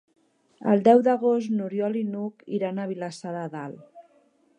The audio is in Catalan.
El deu d'agost n'Oriol i n'Hug iran a Vilassar de Dalt.